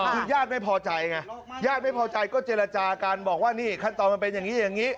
คือญาติไม่พอใจไงญาติไม่พอใจก็เจรจากันบอกว่านี่ขั้นตอนมันเป็นอย่างนี้อย่างนี้